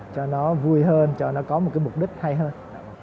cho nó vui hơn cho nó có một cái mục đích hay hơn